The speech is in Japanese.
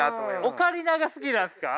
オカリナが好きなんですか？